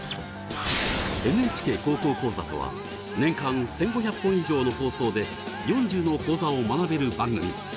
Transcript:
「ＮＨＫ高校講座」とは年間１，５００本以上の放送で４０の講座を学べる番組。